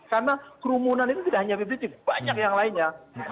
karena kerumunan itu tidak hanya habib rizik banyak yang lainnya